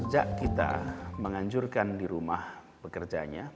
sejak kita menganjurkan di rumah pekerjanya